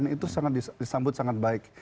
itu disambut sangat baik